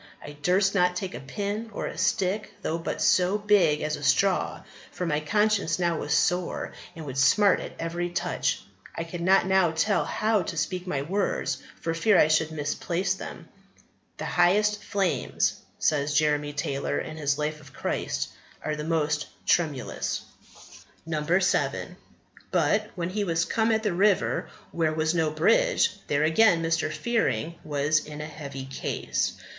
I durst not take a pin or a stick, though but so big as a straw, for my conscience now was sore and would smart at every touch. I could not now tell how to speak my words for fear I should misplace them." "The highest flames," says Jeremy Taylor in his Life of Christ, "are the most tremulous." 7. "But when he was come at the river where was no bridge, there, again, Mr. Fearing was in a heavy case.